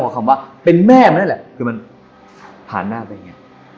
และพอคำว่าเป็นแม่มันแหละคือมันผ่านหน้าไปอย่างนี้